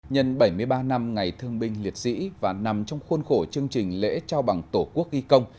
nhân bảy mươi ba năm ngày thương binh liệt sĩ và nằm trong khuôn khổ chương trình lễ trao bằng tổ quốc y công